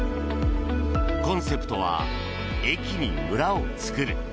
コンセプトは駅に村を作る。